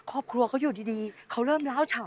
ครอบครัวเขาอยู่ดีเขาเริ่มล้าวเฉา